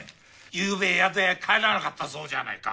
ゆうべ宿屋に帰らなかったそうじゃないか。